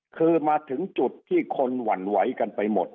คือมาถึงจุดที่คนหวั่นไหวกันไปหมด